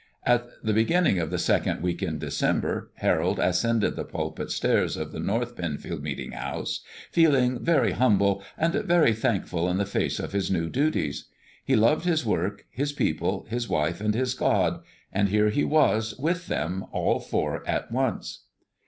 At the beginning of the second week in December, Harold ascended the pulpit stairs of the North Penfield meeting house, feeling very humble and very thankful in the face of his new duties. He loved his work, his people, his wife and his God; and here he was, with them all four at once.